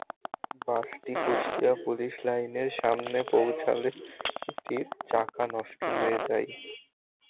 বাসটি কুষ্টিয়া পুলিশ লাইনের সামনে পৌঁছালে এটির চাকা নষ্ট হয়ে যায়।